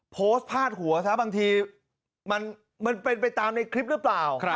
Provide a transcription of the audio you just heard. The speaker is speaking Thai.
โพสต์พาดหัวซะบางทีมันเป็นไปตามในคลิปหรือเปล่า